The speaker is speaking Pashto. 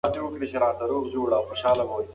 ټولنیزې قوې په دوو برخو ویشل سوي دي.